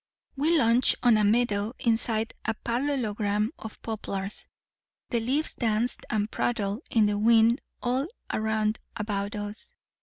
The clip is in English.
We lunched on a meadow inside a parallelogram of poplars. The leaves danced and prattled in the wind all round about us.